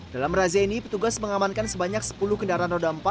dalam razia ini petugas mengamankan sebanyak sepuluh kendaraan roda empat